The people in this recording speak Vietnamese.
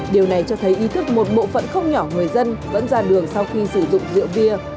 điều này cho thấy ý thức một bộ phận không nhỏ người dân vẫn ra đường sau khi sử dụng rượu bia